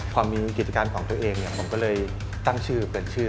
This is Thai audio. ความมีกิจการต่องตัวเองผมก็เลยตั้งชื่อเปลี่ยนชื่อ